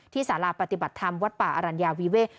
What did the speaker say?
สาราปฏิบัติธรรมวัดป่าอรัญญาวิเวก